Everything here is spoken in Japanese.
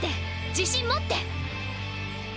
自信持って！